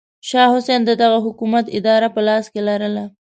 شاه حسین د دغه حکومت اداره په لاس کې لرله.